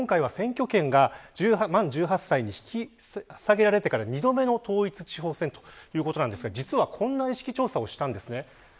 今回は選挙権が満１８歳に引き下げられてから２度目の統一地方選ということですが実はこんな意識調査をしたんです。